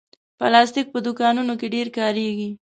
پلاستيک په دوکانونو کې ډېر کارېږي.